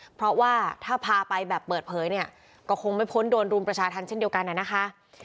เพราะว่าถ้าพาไปแบบเปิดเผยเนี่ยก็คงไม่พ้นโดนรุมประชาธรรมเช่นเดียวกันนะคะ